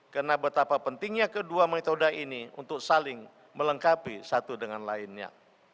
karena betapa pentingnya kedua metode ini untuk saling melengkapi satu dengan lainnya